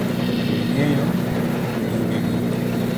Be ing'eyo nyingegi?